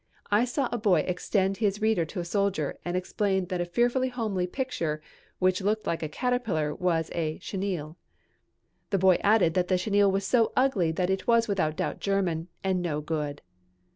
I saw a boy extend his reader to a soldier and explain that a fearfully homely picture which looked like a caterpillar was a "chenille." The boy added that the chenille was so ugly that it was without doubt German and no good.